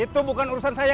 itu bukan urusan saya